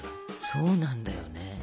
そうなんだよね。